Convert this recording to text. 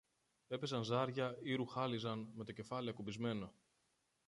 έπαιζαν ζάρια ή ρουχάλιζαν με το κεφάλι ακουμπισμένο